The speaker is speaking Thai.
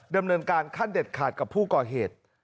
ดำเนินการขั้นเด็ดขาดกับผู้ก่อเหตุ